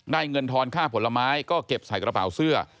เงินทอนค่าผลไม้ก็เก็บใส่กระเป๋าเสื้อ